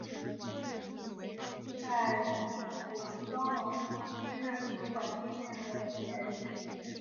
在楚庄王时期任主管进谏的箴尹。